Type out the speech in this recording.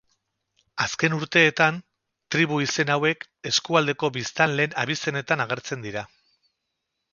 Azken urteetan, tribu izen hauek, eskualdeko biztanleen abizenetan agertzen dira.